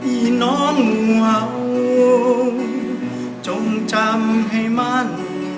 อิน้องเหว่าจงจำให้มัน